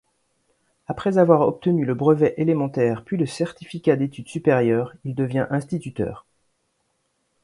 Après avoir obtenu le brevet élémentaire, puis le certificat d'études supérieures, il devient instituteur.